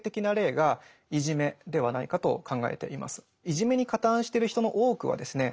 いじめに加担してる人の多くはですね